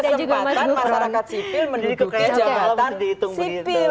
kasih juga kesempatan masyarakat sipil menduduki jabatan sipil